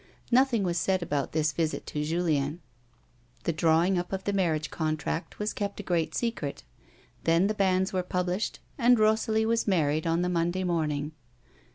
Nothing was said about tthis visit to Julien. The drawing up of the marriage contract was kept a great secret ; then the bans were published and Rosalie was married on the Monday morning.